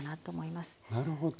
なるほど。